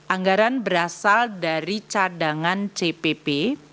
anggaran berasal dari cadangan cpp